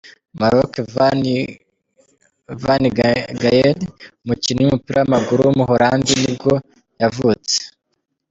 Marco van Ginkel, umukinnyi w’umupira w’amaguru w’umuholandi nibwo yavutse.